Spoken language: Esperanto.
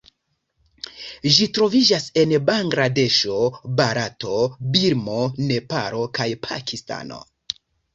Ĝi troviĝas en Bangladeŝo, Barato, Birmo, Nepalo kaj Pakistano.